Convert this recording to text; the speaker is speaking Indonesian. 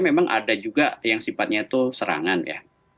memang ada juga yang sifatnya itu serangan ya